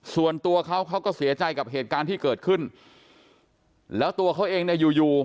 ส่วนตัวเขาเขาก็เสียใจกับเหตุการณ์ที่เกิดขึ้นแล้วตัวเขาเองเนี่ยอยู่อยู่